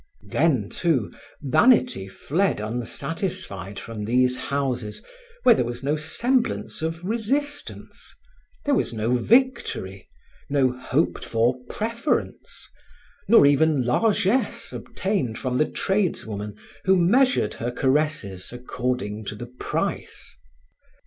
Then, too, vanity fled unsatisfied from these houses where there was no semblance of resistance; there was no victory, no hoped for preference, nor even largess obtained from the tradeswoman who measured her caresses according to the price.